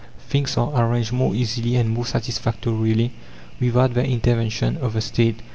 Things are arranged more easily and more satisfactorily without the intervention of the State.